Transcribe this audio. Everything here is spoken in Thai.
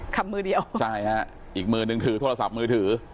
มือเดียวใช่ฮะอีกมือนึงถือโทรศัพท์มือถือ